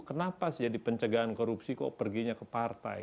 kenapa sih jadi pencegahan korupsi kok perginya ke partai